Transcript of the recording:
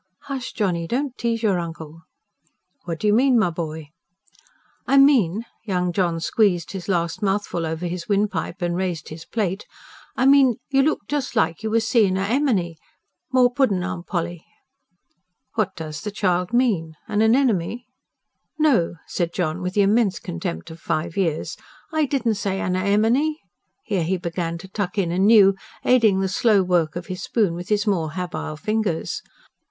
"Hush, Johnny. Don't tease your uncle." "What do you mean, my boy?" "I mean ..." Young John squeezed his last mouthful over his windpipe and raised his plate. "I mean, you look just like you was seein' a emeny. More puddin', Aunt Polly!" "What does the child mean? An anemone?" "NO!" said John with the immense contempt of five years. "I didn't say anner emeny." Here, he began to tuck in anew, aiding the slow work of his spoon with his more habile fingers.